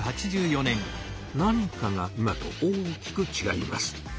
何かが今と大きく違います。